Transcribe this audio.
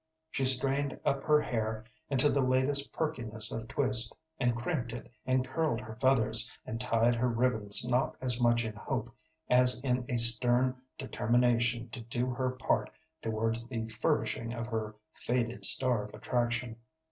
She strained up her hair into the latest perkiness of twist, and crimped it, and curled her feathers, and tied her ribbons not as much in hope as in a stern determination to do her part towards the furbishing of her faded star of attraction.